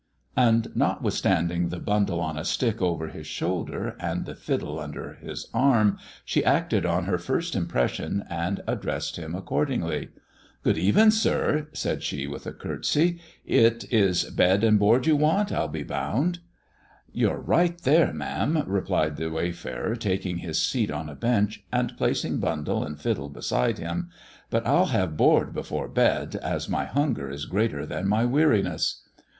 And notwithstanding the bundle on a stick over his shoulder, and the fiddle under his arm, she acted on her first impression and addressed him accordingly. " Grood even, sir," said she, with a curtsey, *^ it is bed and board you want, I'll be bound." "You're right there, ma'am," replied the wayfarer, taking his seat on a bench, and placing bundle and fiddle beside him, " but I'll have board before bed, as my hunger is greater than my weariness."